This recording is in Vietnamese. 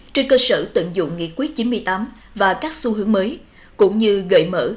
trên cơ sở tận dụng nghị quyết chín mươi tám và các xu hướng mới cũng như gợi mở